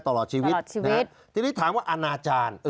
ตลอดชีวิตนะครับทีนี้ถามว่าอนาจารย์